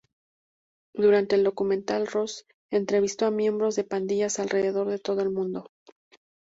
Durante el documental Ross entrevistó a miembros de pandillas alrededor de todo el mundo.